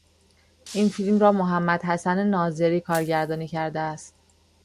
این فیلم را محمد حسن ناظری کارگردانی کرده است.